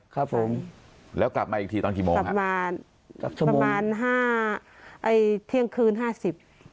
ครับผมแล้วกลับมาอีกทีตอนกี่โมงกลับมากับช่วงประมาณห้าไอ้เที่ยงคืนห้าสิบ